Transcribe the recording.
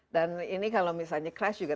dan ini kalau misalnya crash juga